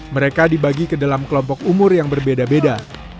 mereka dibagi ke dalam kelompok umur yang berbeda beda